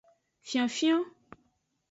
Fionfion.